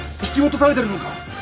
引き落とされてるのか。